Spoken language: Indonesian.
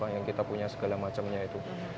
yang kita punya segala macamnya itu